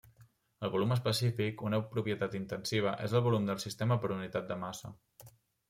El volum específic, una propietat intensiva, és el volum del sistema per unitat de massa.